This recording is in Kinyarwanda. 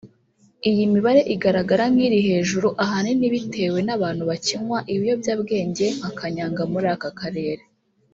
Iyi mibare igaragara nk’iri hejuru ahanini bitewe n’abantu bakinywa ibiyobyabwenge nka Kanyanga muri aka Karere